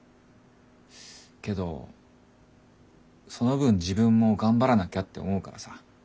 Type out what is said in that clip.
けどその分自分も頑張らなきゃって思うからさ。